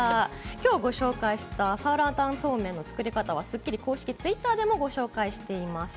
今日ご紹介した酸辣湯風そうめんの作り方はスッキリ公式Ｔｗｉｔｔｅｒでもご紹介しています。